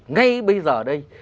ngay bây giờ đây